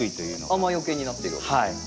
雨よけになっているわけですね。